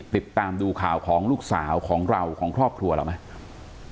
ติดตามดูข่าวของลูกสาวของเราของครอบครัวเราไหม